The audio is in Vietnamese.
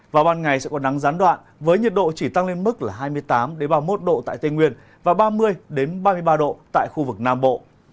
vào ban ngày sẽ có nắng gián đoạn với nhiệt độ chỉ tăng lên mức là hai mươi tám ba mươi một độ tại tây nguyên và ba mươi ba mươi ba độ tại khu vực nam bộ